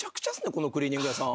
このクリーニング屋さん。